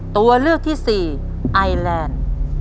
ตัวเลือกที่สี่ไอแลนด์